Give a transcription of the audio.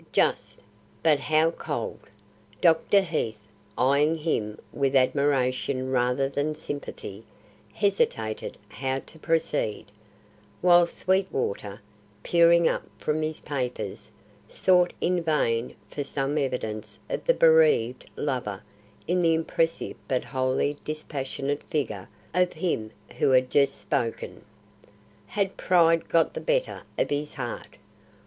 Just; but how cold! Dr. Heath, eyeing him with admiration rather than sympathy, hesitated how to proceed; while Sweetwater, peering up from his papers, sought in vain for some evidence of the bereaved lover in the impressive but wholly dispassionate figure of him who had just spoken. Had pride got the better of his heart?